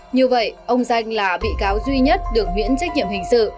như vậy ông danh là bị cáo duy nhất được miễn trách nhiệm hình sự